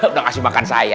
udah kasih makan saya